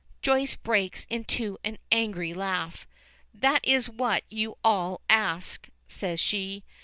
Joyce breaks into an angry laugh. "That is what you all ask," says she.